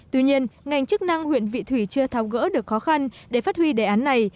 tuy nhiên ngành chức năng huyện vị thủy chưa tháo gỡ được khó khăn để phát huy đề án này